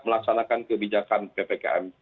melaksanakan kebijakan ppkm